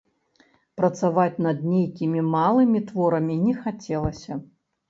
Працаваць над нейкімі малымі творамі не хацелася.